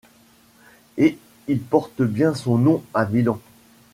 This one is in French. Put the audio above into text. Et il porte bien son nom à Milan.